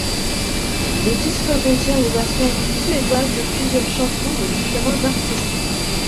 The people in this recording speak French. Le disque contient les versions suédoises de plusieurs chansons de différents artistes.